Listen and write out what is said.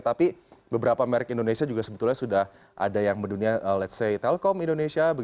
tapi beberapa merk indonesia juga sebetulnya sudah ada yang berdunia let's say telkom indonesia